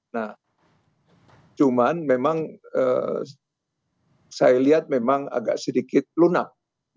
nah cuman memang saya lihat memang agak sedikit lunak